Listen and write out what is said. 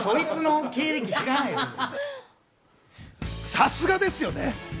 さすがですよね。